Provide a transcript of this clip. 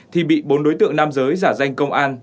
thì bị bốn đối tượng nam giới giả danh công an